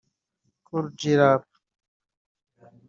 Kool G Rap